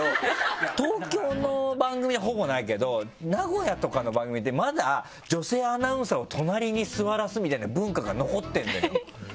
東京の番組でほぼないけど名古屋とかの番組ってまだ女性アナウンサーを隣に座わらすみたいな文化が残ってるのよ